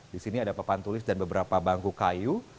di sini ada papan tulis dan beberapa bangku kayu